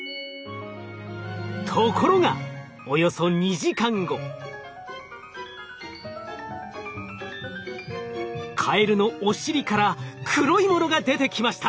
ところがおよそカエルのお尻から黒いものが出てきました！